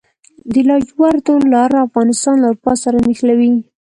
د لاجوردو لاره افغانستان له اروپا سره نښلوي